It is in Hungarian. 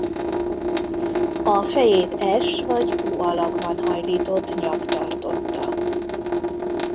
A fejét S vagy U alakban hajlított nyak tartotta.